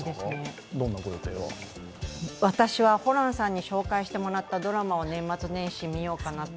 私はホランさんに紹介してもらったドラマを年末年始見ようかなって。